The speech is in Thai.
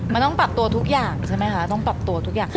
มันต้องปรับตัวทุกอย่างใช่ไหมคะ